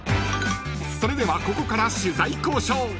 ［それではここから取材交渉］